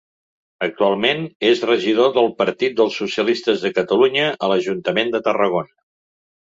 Actualment, és regidor del Partit dels Socialistes de Catalunya a l'Ajuntament de Tarragona.